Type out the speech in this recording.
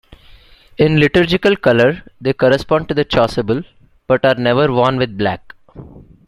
In liturgical colour they correspond to the chasuble, but are never worn with black.